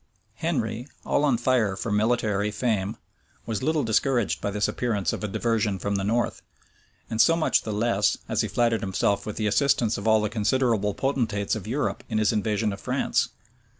Henry, all on fire for military fame, was little discouraged by this appearance of a diversion from the north; and so much the less, as he flattered himself with the assistance of all the considerable potentates of Europe in his invasion of France.